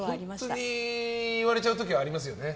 本当に言われちゃう時ありますよね。